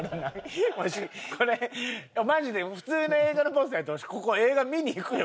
これマジで普通の映画のポスターやったらわし映画見に行くよ